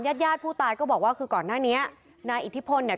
ญาติญาติผู้ตายก็บอกว่าคือก่อนหน้านี้นายอิทธิพลเนี่ย